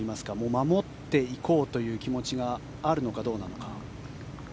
守っていこうという気持ちがあるのかどうなのか。